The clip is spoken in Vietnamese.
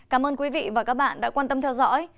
cảm ơn quý vị và các bạn đã quan tâm theo dõi